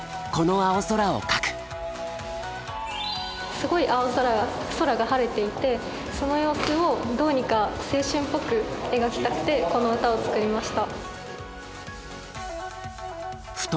すごい青空が空が晴れていてその様子をどうにか青春っぽく描きたくてこの歌を作りました。